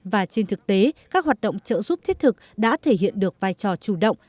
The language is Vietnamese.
và trên thực tế các hoạt động trợ giúp thiết thực đã thể hiện được vai trò chủ động